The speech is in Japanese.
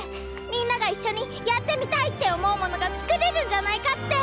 みんなが一緒にやってみたいって思うものが作れるんじゃないかって！